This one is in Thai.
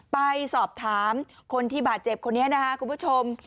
ไปสอบถามคนที่บาดเจ็บคนนี้นะครับคุณผู้ชม